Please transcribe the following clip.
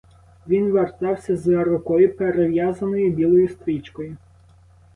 Він вертався з рукою, перев'язаною білою стрічкою.